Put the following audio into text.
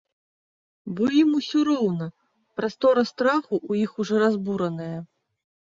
Бо ім усё роўна, прастора страху ў іх ужо разбураная.